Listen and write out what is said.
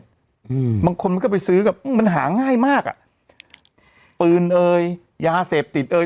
อืมบางคนมันก็ไปซื้อกับอืมมันหาง่ายมากอ่ะปืนเอ่ยยาเสพติดเอ่ย